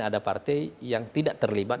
ada partai yang tidak terlibat